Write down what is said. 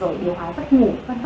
rồi điều hòa giấc ngủ